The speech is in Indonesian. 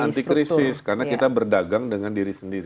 dan anti krisis karena kita berdagang dengan diri sendiri